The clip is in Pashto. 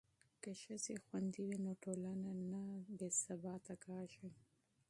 که ښځې خوندي وي نو ټولنه نه بې ثباته کیږي.